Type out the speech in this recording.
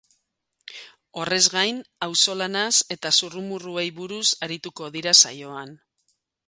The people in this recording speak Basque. Horrez gain, auzolanaz eta zurrumurruei buruz arituko dira saioan.